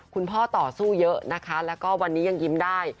ต่อสู้เยอะนะคะแล้วก็วันนี้ยังยิ้มได้